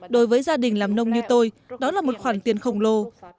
đối với gia đình làm nông như tôi đó là một khoản tiền khổng lồ